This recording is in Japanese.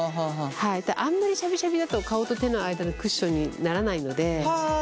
あんまりシャビシャビだと顔と手の間のクッションにならないので。